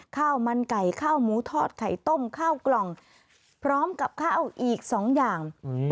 ข้าวมันไก่ข้าวหมูทอดไข่ต้มข้าวกล่องพร้อมกับข้าวอีกสองอย่าง